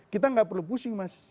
kita nggak perlu pusing mas